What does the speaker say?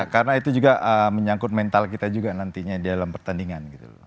karena itu juga menyangkut mental kita juga nantinya di dalam pertandingan gitu